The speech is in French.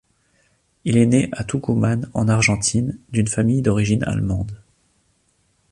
Il est né à Tucumán, en Argentine, d’une famille d’origine allemande.